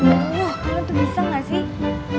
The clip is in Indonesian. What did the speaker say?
kalian tuh bisa gak sih